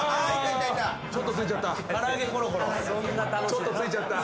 ちょっとついちゃった。